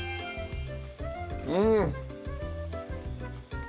うん！